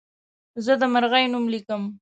زه د مرغۍ نوم لیکم.